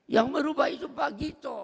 yang merubah itu pak gito